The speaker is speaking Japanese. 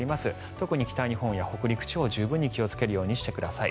特に北日本や北陸地方十分に気をつけるようにしてください。